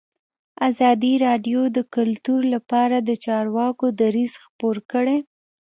ازادي راډیو د کلتور لپاره د چارواکو دریځ خپور کړی.